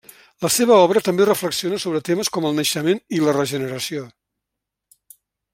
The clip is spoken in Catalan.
La seva obra també reflexiona sobre temes com el naixement i la regeneració.